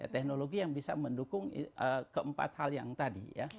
teknologi yang bisa mendukung keempat hal yang tadi ya